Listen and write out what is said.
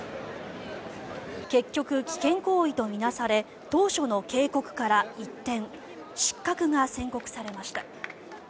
結局、危険行為と見なされ当初の警告から一転失格が宣告されました。